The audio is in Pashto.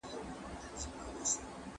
زعفران د پاڅون سمبول دی.